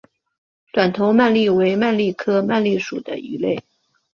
短头鳗鲡为鳗鲡科鳗鲡属的鱼类。